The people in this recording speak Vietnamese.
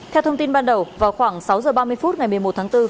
theo thông tin ban đầu vào khoảng sáu giờ ba mươi phút ngày một mươi một tháng bốn